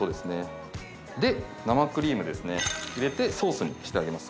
生クリームですね入れてソースにしてあげます。